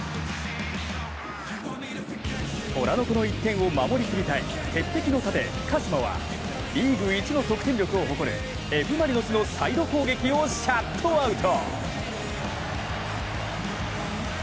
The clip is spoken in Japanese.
虎の子の１点を守り切りたい鉄壁の盾・鹿島はリーグ１の得点力を誇るＦ・マリノスのサイド攻撃をシャットアウト。